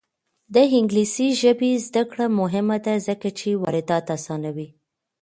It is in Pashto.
د انګلیسي ژبې زده کړه مهمه ده ځکه چې واردات اسانوي.